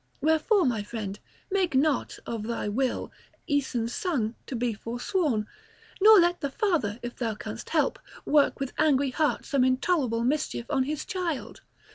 Wherefore, my friend, make not, of thy will, Aeson's son to be forsworn, nor let the father, if thou canst help, work with angry heart some intolerable mischief on his child.